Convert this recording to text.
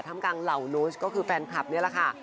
ทำกลางเหล่านุสก็คือแฟนคลับนี่แหละค่ะ